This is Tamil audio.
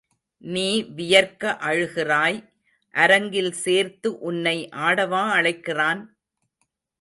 நீ வியர்க்க அழுகிறாய் அரங்கில் சேர்த்து உன்னை ஆடவா அழைக்கிறான்?